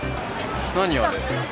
何あれ。